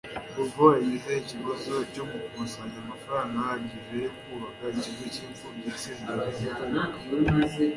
Bobo yagize ikibazo cyo gukusanya amafaranga ahagije yo kubaka ikigo cyimfubyi yasezeranije kubaka